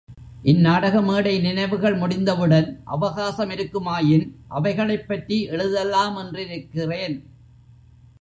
இந் நாடக மேடை நினைவுகள் முடிந்தவுடன் அவகாசமிருக்குமாயின் அவைகளைப் பற்றி எழுதலாமென்றிருக்கிறேன்.